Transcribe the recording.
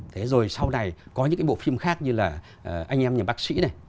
thế rồi sau này có những cái bộ phim khác như là anh em bác sĩ này